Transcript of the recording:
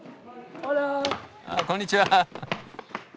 あこんにちは。